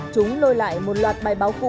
chúng lôi lại một loạt bài báo cũ